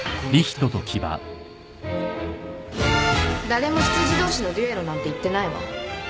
誰も執事同士の決闘なんて言ってないわ。